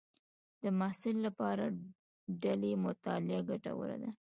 د محصل لپاره ډلې مطالعه ګټوره ده.